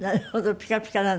ピカピカなの？